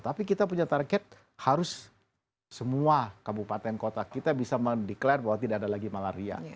tapi kita punya target harus semua kabupaten kota kita bisa mendeklarasi bahwa tidak ada lagi malaria